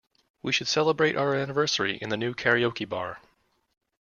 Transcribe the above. We should celebrate our anniversary in the new karaoke bar.